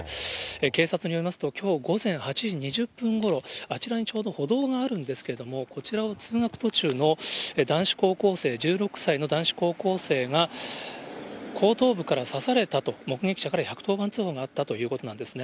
警察によりますと、きょう午前８時２０分ごろ、あちらにちょうど歩道があるんですけれども、こちらを通学途中の男子高校生１６歳の男子高校生が、後頭部から刺されたと、目撃者から１１０番通報があったということなんですね。